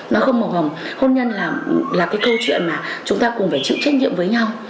nó không màu hồng hôn hôn nhân là cái câu chuyện mà chúng ta cùng phải chịu trách nhiệm với nhau